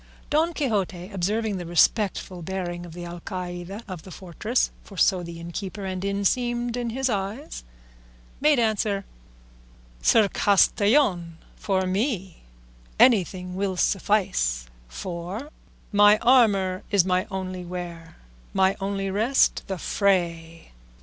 Don Quixote, observing the respectful bearing of the Alcaide of the fortress (for so innkeeper and inn seemed in his eyes), made answer, "Sir Castellan, for me anything will suffice, for 'My armour is my only wear, My only rest the fray.